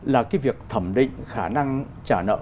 là cái việc thẩm định khả năng trả nợ